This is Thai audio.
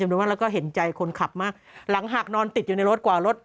เป็นว่าแล้วก็เห็นใจคนขับมากหลังหากนอนติดอยู่ในรถกว่ารถ